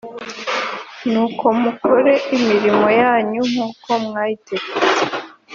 nuko mukore imirimo yanyu nkuko mwayitegets